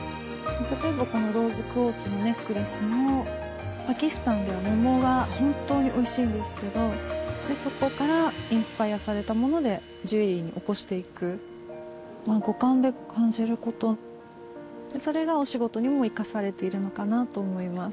例えばこのローズクォーツのネックレスもパキスタンでは桃が本当においしいんですけどでそこからインスパイアされたものでジュエリーにおこしていく五感で感じることそれがお仕事にも生かされているのかなと思います